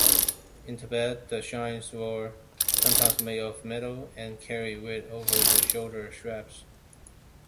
In Tibet, the shrines were sometimes made of metal, and carried with over-the-shoulder straps.